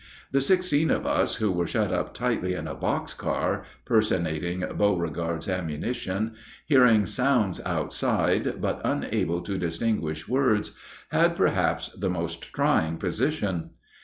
The sixteen of us who were shut up tightly in a box car, personating Beauregard's ammunition, hearing sounds outside, but unable to distinguish words, had perhaps the most trying position.